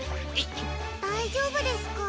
だいじょうぶですか？